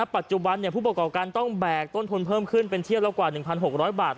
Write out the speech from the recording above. ปัจจุบันผู้ประกอบการต้องแบกต้นทุนเพิ่มขึ้นเป็นเที่ยวละกว่า๑๖๐๐บาท